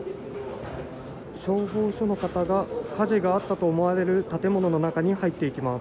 消防署の方が火事があったと思われる建物の中に入っていきます。